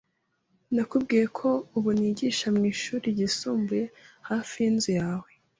Nakubwiye ko ubu nigisha mwishuri ryisumbuye hafi yinzu yawe?